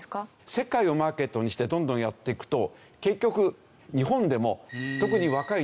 世界をマーケットにしてどんどんやっていくと結局日本でも特に若い独身者にしてみればね